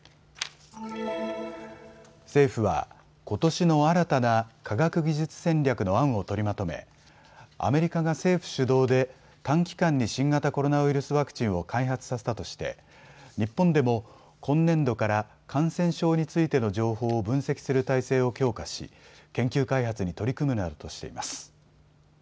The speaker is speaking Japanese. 政府はことしの新たな科学技術戦略の案を取りまとめアメリカが政府主導で短期間に新型コロナウイルスワクチンを開発させたとして日本でも今年度から感染症についての情報を分析する体制を強化し研究開発に取り組むなどとしています。